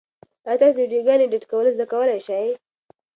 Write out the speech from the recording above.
ایا تاسو د ویډیوګانو ایډیټ کول زده کولای شئ؟